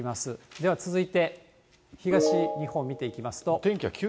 では続いて、東日本見ていきますと。